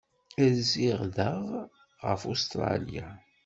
Rziɣ daɣ ɣef Ustṛalya.